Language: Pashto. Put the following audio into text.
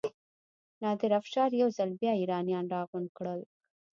نادر افشار یو ځل بیا ایرانیان راغونډ کړل.